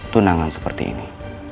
tunangan seperti ini